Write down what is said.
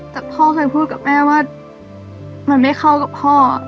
แต่พ่อเคยพูดกับแม่ว่ามันไม่เข้ากับพ่อ